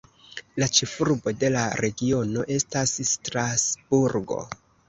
La ĉefurbo de la regiono estas Strasburgo.